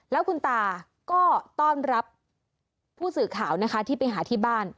แล้วคุณตาก็ต้อนรับผู้สื่อข่าวนะคะที่ไปหาที่บ้าน